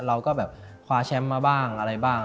เราก็แบบคว้าแชมป์มาบ้างอะไรบ้าง